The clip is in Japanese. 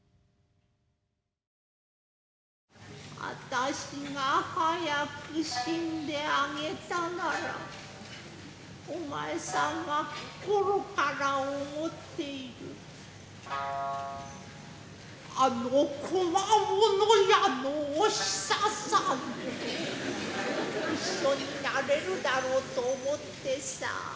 私が早く死んであげたならお前さんは心から思っているあの小間物屋のお久さんと一緒になれるだろうと思ってさ。